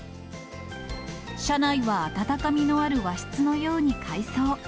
車内は温かみのある和室のように改装。